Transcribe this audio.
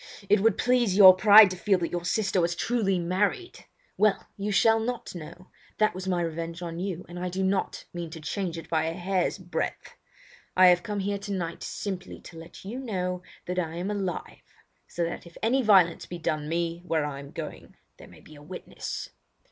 It would please your pride to feel that your sister was truly married! Well, you shall not know. That was my revenge on you, and I do not mean to change it by a hair's breadth. I have come here tonight simply to let you know that I am alive, so that if any violence be done me where I am going there may be a witness."